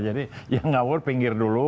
jadi yang ngawur pinggir dulu